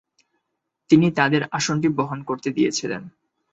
তিনি তাদের আসনটি বহন করতে দিয়েছিলেন।